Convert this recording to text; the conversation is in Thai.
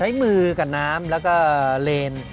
มือกับน้ำแล้วก็เลน